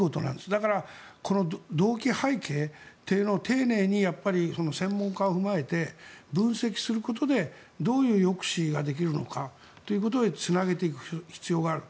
だから動機、背景というのを丁寧に専門家を踏まえて分析することでどういう抑止ができるのかということへつなげていく必要がある。